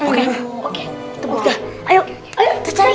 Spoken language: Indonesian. oke kita cari